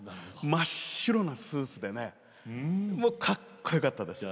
真っ白なスーツでねもうかっこよかったです。